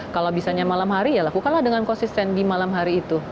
kalau bisanya malam hari ya lakukanlah dengan konsisten di malam hari itu